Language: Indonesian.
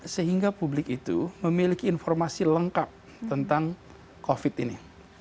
sehingga publik itu memiliki informasi lengkap tentang covid ini